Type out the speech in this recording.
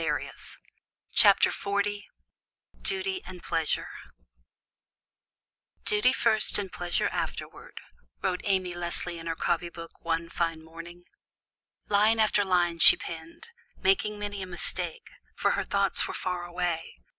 DUTY AND PLEASURE "Duty first, and pleasure afterward," wrote Amy Leslie in her copy book one fine morning. Line after line she penned, making many a mistake, for her thoughts were far away.